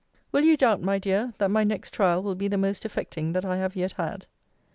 Will you doubt, my dear, that my next trial will be the most affecting that I have yet had?